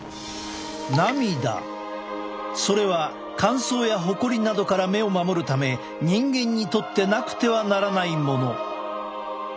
それは乾燥やホコリなどから目を守るため人間にとってなくてはならないもの。